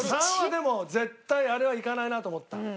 ３はでも絶対あれはいかないなと思った。